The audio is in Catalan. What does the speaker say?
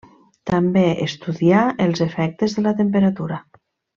També estudiar els efectes de la temperatura.